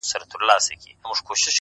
o خداى پاماني كومه؛